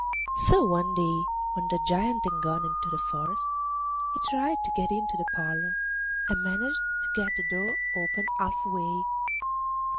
So one day, when the Giant had gone into the forest, he tried to get into the parlour, and managed to get the door open half way.